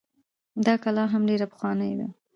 دا کلا هم ډيره پخوانۍ ده